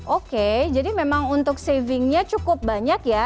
oke jadi memang untuk saving nya cukup banyak ya